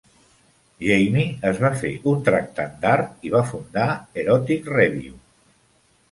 Jamie es va fer un tractant d'art i va fundar "Erotic Review".